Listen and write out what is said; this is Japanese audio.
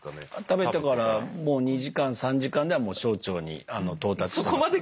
食べてからもう２時間３時間ではもう小腸に到達してます。